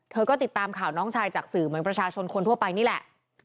เธอก็ติดตามข่าวน้องชายจากสื่อเหมือนประชาชนคนทั่วไปนี่แหละ